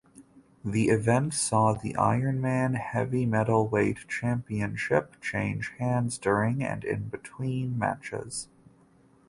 The event saw the Ironman Heavymetalweight Championship change hands during and in between matches.